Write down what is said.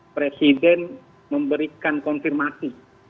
presiden memberikan konfirmasi